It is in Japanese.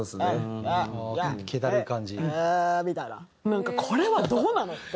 なんかこれはどうなのって。